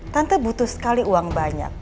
tante butuh sekali uang banyak